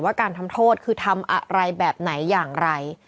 การทำโทษคือทำอะไรแบบไหนอย่างไร